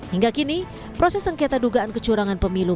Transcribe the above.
hingga kini proses sengketa dugaan kecurangan pemilu